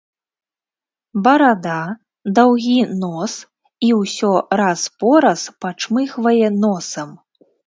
Барада, даўгі нос, і ўсё раз-пораз пачмыхвае носам.